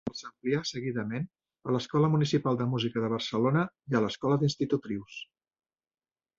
Els amplià seguidament a l’Escola Municipal de Música de Barcelona i a l’Escola d’Institutrius.